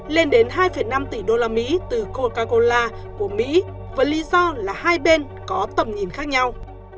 tân hiệp pháp đã từ chối đề nghị hợp tác với giá trị đầu tư lên đến hai năm tỷ usd từ coca cola của mỹ với lý do là hai bên có tầm nhìn khác nhau